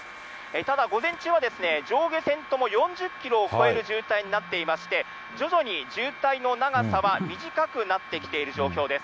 ただ、午前中は上下線とも４０キロを超える渋滞になっていまして、徐々に渋滞の長さは短くなってきている状況です。